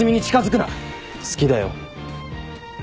好きだよ。